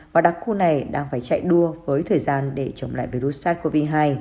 và đặc khu này đang phải chạy đua với thời gian để chống lại virus sars cov hai